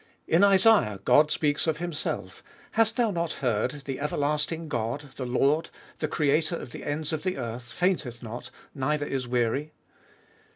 In Isaiah God speaks of Himself: "Hast thou not heard, the everlasting God, the Lord, the Creator of the ends of the earth fainteth not, neither is weary."